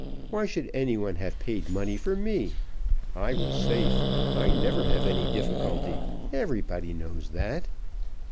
Why should any one have paid money for me? I was safe. I never have any difficulty; everybody knows that.